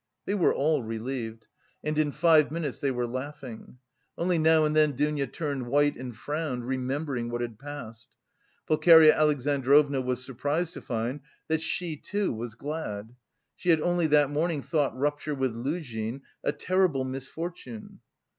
They were all relieved, and in five minutes they were laughing. Only now and then Dounia turned white and frowned, remembering what had passed. Pulcheria Alexandrovna was surprised to find that she, too, was glad: she had only that morning thought rupture with Luzhin a terrible misfortune.